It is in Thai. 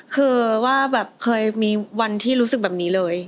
คือว่าแบบเคยมีวันที่รู้สึกแบบนี้เลย